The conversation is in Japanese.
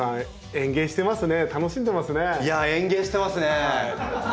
園芸してますね！